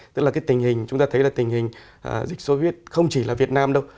tức là tình hình chúng ta thấy là tình hình dịch sốt huyết không chỉ là việt nam đâu